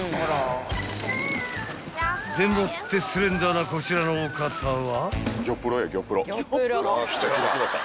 ［でもってスレンダーなこちらのお方は］